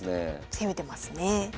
攻めてますね。